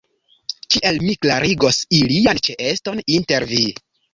Kiel mi klarigos ilian ĉeeston inter vi?